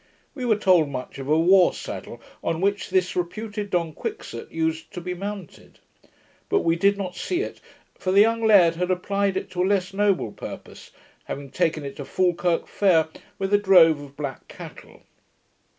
We were told much of a war saddle, on which this reputed Don Quixote used to be mounted; but we did not see it, for the young laird had applied it to a less noble purpose, having taken it to Falkirk fair WITH A DROVE OF BLACK CATTLE.